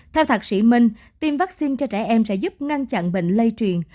theo thạc sĩ minh tiêm vaccine cho trẻ em sẽ giúp ngăn chặn bệnh lây truyền